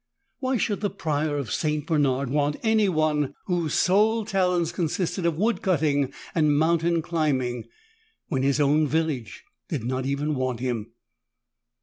Why should the Prior of St. Bernard want anyone whose sole talents consisted of wood cutting and mountain climbing, when his own village did not even want him?